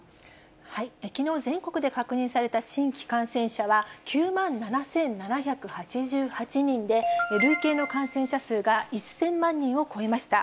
きのう、全国で確認された新規感染者は、９万７７８８人で、累計の感染者数が１０００万人を超えました。